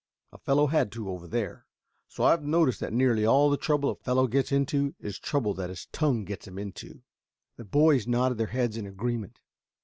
A fellow had to over there. So I've noticed that nearly all the trouble a fellow gets into is trouble that his tongue gets him into." The boys nodded their heads in agreement.